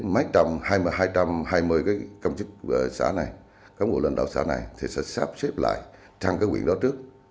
mấy trăm hai mươi hai trăm hai mươi công chức xã này công bộ lân đạo xã này thì sẽ sắp xếp lại trăng cái huyện đó trước